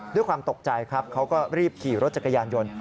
ด้วยความตกใจครับเขาก็รีบขี่รถจักรยานยนต์